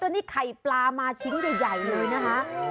นี่ไข่ปลามาชิ้นใหญ่เลยนะคะ